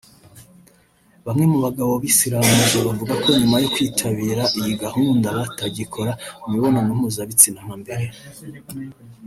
Bamwe mu bagabo bisiramuje bavuga ko nyuma yo kwitabira iyi gahunda batagikora imibonano mpuzabitsina nka mbere